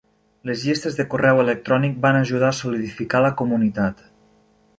Les llistes de correu electrònic van ajudar a solidificar la comunitat.